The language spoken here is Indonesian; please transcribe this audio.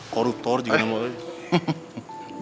koruptor juga namanya